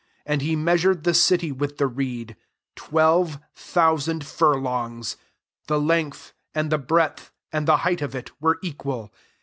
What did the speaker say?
And he measured the city with the reed, twelve thousand furlongs; the length, and the breadth, and the height of it, were equal.